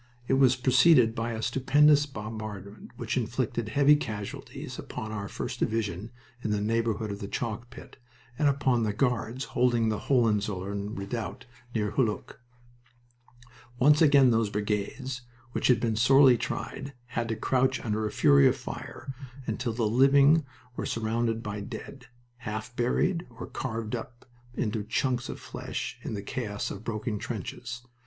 It was preceded by a stupendous bombardment which inflicted heavy casualties upon our 1st Division in the neighborhood of the chalk pit, and upon the Guards holding the Hohenzollern redoubt near Hulluch. Once again those brigades, which had been sorely tried, had to crouch under a fury of fire, until the living were surrounded by dead, half buried or carved up into chunks of flesh in the chaos of broken trenches.